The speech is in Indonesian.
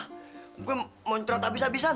apa gue mau nyuruh tak bisa bisaan